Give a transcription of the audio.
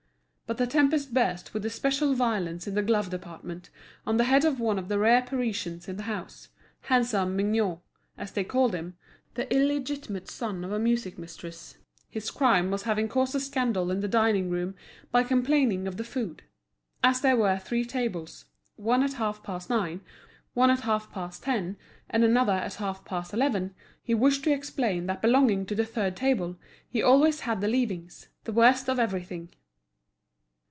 But the tempest burst with especial violence in the glove department, on the head of one of the rare Parisians in the house, handsome Mignot, as they called him, the illegitimate son of a music mistress: his crime was having caused a scandal in the dining room by complaining of the food. As there were three tables, one at half past nine, one at half past ten, and another at half past eleven, he wished to explain that belonging to the third table, he always had the leavings, the worst of everything.